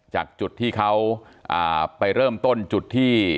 จากจุดที่เขาไปเริ่มต้นจุดที่